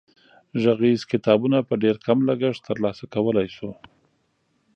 غږیز کتابونه په ډېر کم لګښت تر لاسه کولای شو.